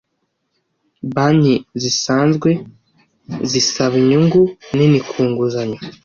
Banki zisanzwe zisaba inyungu nini ku nguzanyo